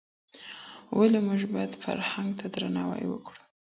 ولي موږ بايد فرهنګ ته درناوی وکړو؟